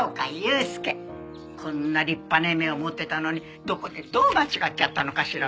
こんな立派な夢を持ってたのにどこでどう間違っちゃったのかしらね？